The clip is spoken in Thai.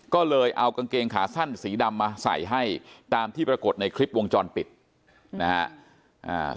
ก็เลยเอากางเกงขาสั้นสีดำมาใส่ให้ตามที่ปรากฏในคลิปวงจรปิดนะฮะ